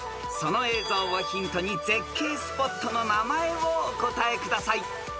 ［その映像をヒントに絶景スポットの名前をお答えください］